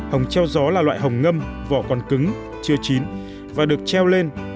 hồng treo gió là loại hồng ngâm vỏ còn cứng chưa chín và được treo lên hong khô tự nhiên nhờ gió và nắng